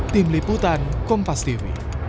tim liputan kompas tv